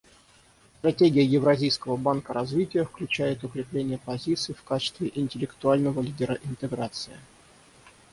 Стратегия Евразийского банка развития включает укрепление позиций в качестве интеллектуального лидера интеграции.